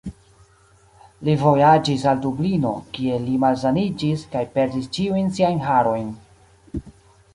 Li vojaĝis al Dublino, kie li malsaniĝis, kaj perdis ĉiujn siajn harojn.